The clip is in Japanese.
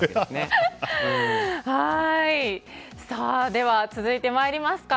では、続いてまいりますか。